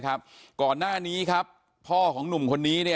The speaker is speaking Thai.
ตำรวจต้องไล่ตามกว่าจะรองรับเหตุได้